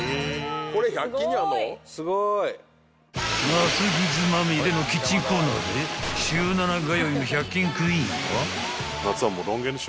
［夏グッズまみれのキッチンコーナーで週７通いの１００均クイーンは］